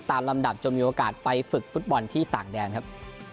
ลำดับจนมีโอกาสไปฝึกฟุตบอลที่ต่างแดนครับ